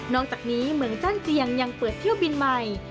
จากนี้เมืองจ้านเตียงยังเปิดเที่ยวบินใหม่